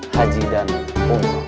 haji dan umrah